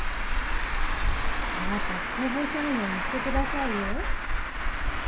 またこぼさんようにしてくださいよ。